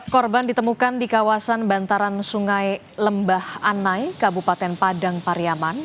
korban ditemukan di kawasan bantaran sungai lembah anai kabupaten padang pariaman